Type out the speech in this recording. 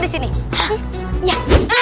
di sini ya